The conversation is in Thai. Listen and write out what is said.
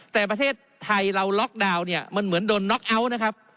แต่ประเทศไทยเราล็อกดาวน์เนี่ยมันเหมือนโดนน็อกเอาท์นะครับ